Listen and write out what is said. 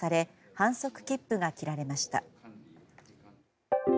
反則切符が切られました。